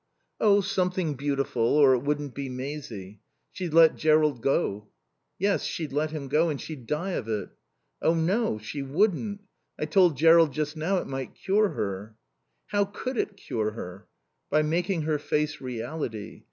"Oh something beautiful, or it wouldn't be Maisie. She'd let Jerrold go." "Yes. She'd let him go. And she'd die of it." "Oh no, she wouldn't. I told Jerrold just now it might cure her." "How could it cure her?" "By making her face reality.